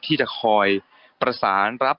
ที่จะคอยประสานรับ